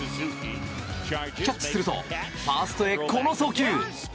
キャッチするとファーストへ、この送球。